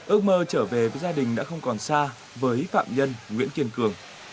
ước mơ trở về với gia đình đã không còn xa với phạm nhân nguyễn kiên cường